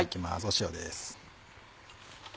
塩です。